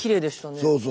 そうそう。